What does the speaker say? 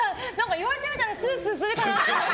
言われてみたらスースーするかなって。